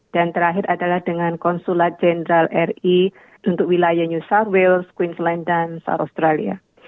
dan terakhir adalah dengan konsulat jenderal ri untuk wilayah new south wales queensland dan south australia